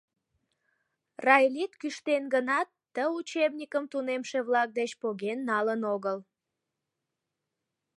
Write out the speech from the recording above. Райлит кӱштен гынат, ты учебникым тунемше-влак деч поген налын огыл».